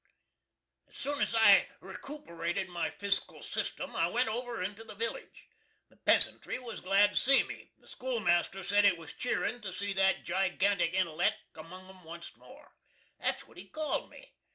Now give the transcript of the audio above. As soon as I'd recooperated my physikil system, I went over into the village. The peasantry was glad to see me. The skoolmaster sed it was cheerin to see that gigantic intelleck among 'em onct more. That's what he called me.